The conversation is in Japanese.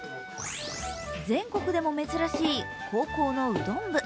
全国でも珍しい高校のうどん部。